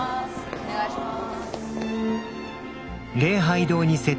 お願いします。